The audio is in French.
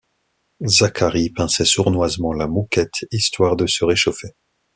Zacharie pinçait sournoisement la Mouquette, histoire de se réchauffer.